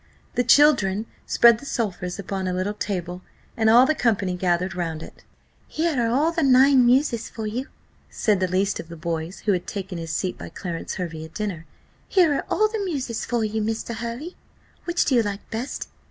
The children spread the sulphurs upon a little table, and all the company gathered round it. "Here are all the nine muses for you," said the least of the boys, who had taken his seat by Clarence Hervey at dinner; "here are all the muses for you, Mr. Hervey: which do you like best?